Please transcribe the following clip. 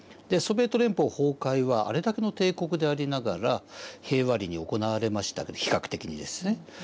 ソビエト連邦崩壊はあれだけの帝国でありながら平和裏に行われました比較的にですね。